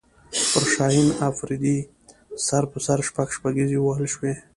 پر شاهین افریدي سر په سر شپږ شپږیزې ووهل شوې